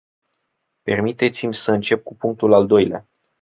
Permiteți-mi să încep cu punctul al doilea.